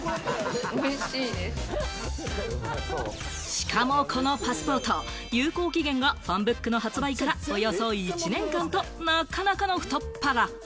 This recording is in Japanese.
しかもこのパスポート、有効期限がファンブックの発売からおよそ１年間と、なかなかの太っ腹。